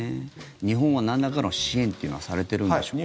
日本はなんらかの支援というのはされているんでしょうか。